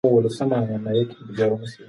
هر څوک په خپله برخه کې.